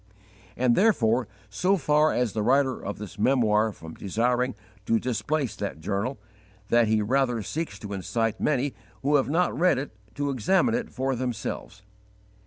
And, therefore, so far is the writer of this memoir from desiring to displace that journal, that he rather seeks to incite many who have not read it to examine it for themselves.